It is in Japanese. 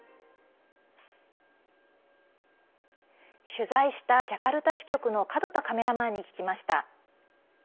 取材したジャカルタ支局の門田カメラマンに聞きました。